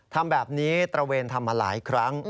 ทำแบบนี้ตระเวนทำมาหลายครั้ง